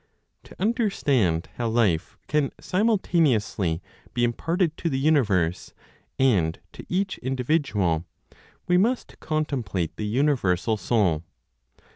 To understand how life can simultaneously be imparted to the universe and to each individual, we must contemplate the universal Soul.